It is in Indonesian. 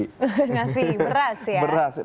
nasi beras ya